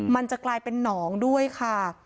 มันจะกลายเป็นหนองด้วยค่ะ